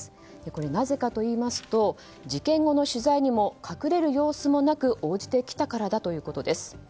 これ、なぜかといいますと事件後の取材にも隠れる様子もなく応じてきたからだということです。